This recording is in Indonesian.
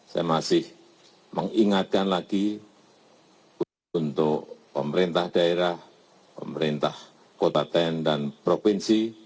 saya masih mengingatkan lagi untuk pemerintah daerah pemerintah kota ten dan provinsi